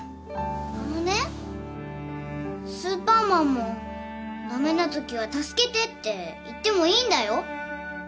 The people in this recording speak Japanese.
あのねスーパーマンも駄目なときは助けてって言ってもいいんだよ。